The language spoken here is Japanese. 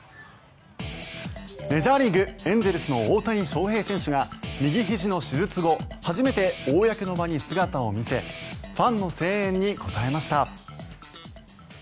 メジャーリーグエンゼルスの大谷翔平選手が右ひじの手術後初めて公の場に姿を見せファンの声援に応えました。